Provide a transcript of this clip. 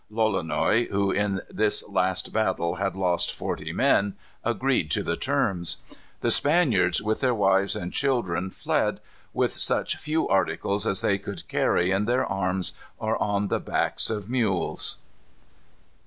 Lolonois, who in this last battle had lost forty men, agreed to the terms. The Spaniards, with their wives and children, fled, with such few articles as they could carry in their arms or on the backs of mules.